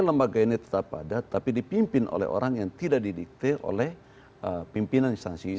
lembaga ini tetap ada tapi dipimpin oleh orang yang tidak didikter oleh pimpinan instansi